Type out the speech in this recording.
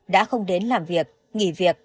đã không đến làm việc nghỉ việc